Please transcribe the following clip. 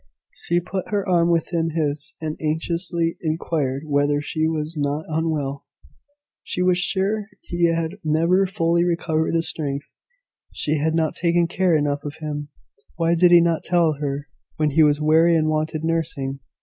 She put her arm within his, and anxiously inquired whether he was not unwell. She was sure he had never fully recovered his strength: she had not taken care enough of him: why did he not tell her when he was weary and wanted nursing?